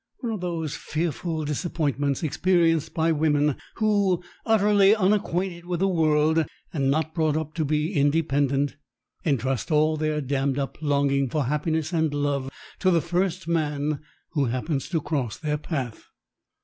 One of those fearful disappointments experienced by women who, utterly unacquainted with the world, and not brought up to be independent, entrust all their dammed up longing for happiness and love to the first man who happens to cross their path.